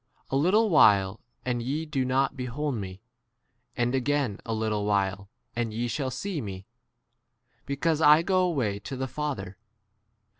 A little [while] and ye do not behold me ; and again a little [while] and ye shall see me, [be cause I * go away to the Father.